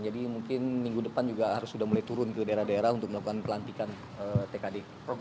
jadi mungkin minggu depan juga harus sudah mulai turun ke daerah daerah untuk melakukan pelantikan tkd